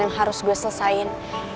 yang harus gue selesain